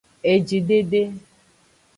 Ejidede.